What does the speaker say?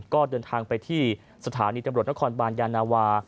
ก็เดินทางไปที่สถานีตำรวจนครบานยานาวา